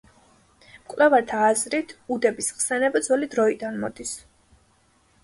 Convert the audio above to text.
მკვლევართა აზრით უდების ხსენება ძველი დროიდან მოდის.